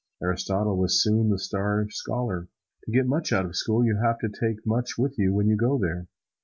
Aristotle was soon the star scholar. To get much out of school you have to take much with you when you go there.